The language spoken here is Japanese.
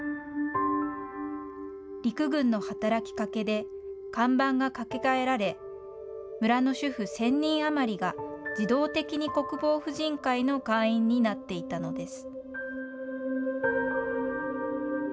陸軍の働きかけで、看板が掛け替えられ、村の主婦１０００人余りが自動的に国防婦人会の会員になっていたのです。